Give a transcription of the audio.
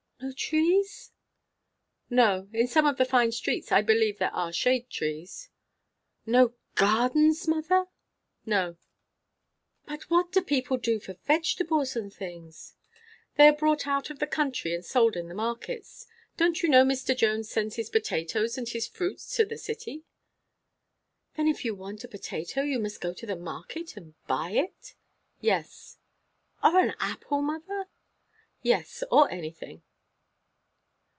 "No trees?" "No. In some of the fine streets I believe there are shade trees." "No gardens, mother?" "No." "But what do people do for vegetables and things?" "They are brought out of the country, and sold in the markets. Don't you know Mr. Jones sends his potatoes and his fruit to the city?" "Then if you want a potato, you must go to the market and buy it?" "Yes." "Or an apple, mother?" "Yes, or anything."